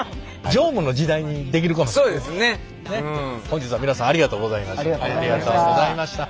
本日は皆さんありがとうございました。